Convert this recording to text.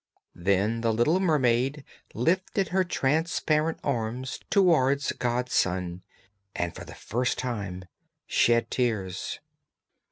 Then the little mermaid lifted her transparent arms towards God's sun, and for the first time shed tears.